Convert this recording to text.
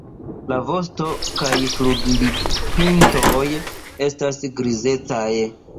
La vosto- kaj flugilpintoj estas grizecaj.